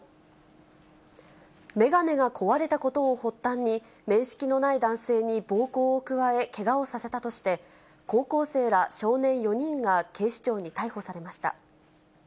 眼鏡が壊れたことを発端に、面識のない男性に暴行を加え、けがをさせたとして、高校生ら少年４人が警視庁に逮捕されました。